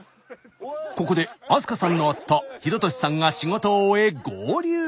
ここで明香さんの夫裕俊さんが仕事を終え合流。